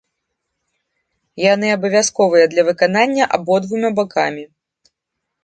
Яны абавязковыя для выканання абодвума бакамі.